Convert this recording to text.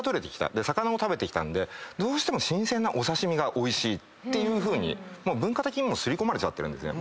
で魚も食べてきたんでどうしても新鮮なお刺身がおいしいっていうふうにもう文化的にも刷り込まれちゃってるんですね。